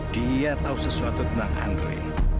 dia tahu sesuatu tentang andre